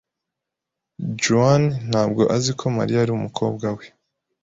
Juan ntabwo azi ko Maria ari umukobwa we .